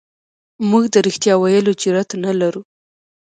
موږ د رښتیا ویلو جرئت نه لرو.